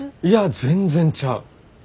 いや全然ちゃう。